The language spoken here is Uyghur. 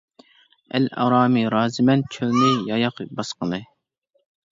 ئەل ئارامى رازىمەن، چۆلنى ياياق باسقىلى.